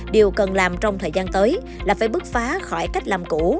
điều cần làm trong thời gian tới là phải bước phá khỏi cách làm cũ